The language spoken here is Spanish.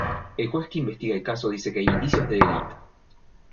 El juez que investiga el caso dice que hay indicios de delito.